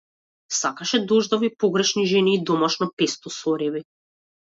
Сакаше дождови, погрешни жени и домашно песто со ореви.